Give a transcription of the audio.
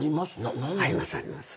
ありますあります。